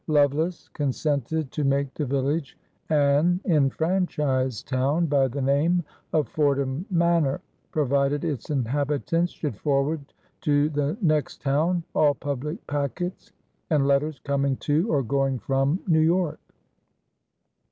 Lovelace consented to make the village an enfranchised town by the name of Fordham Manor, provided its inhabitants should forward to the next town all public packets and letters coming to or going from New York.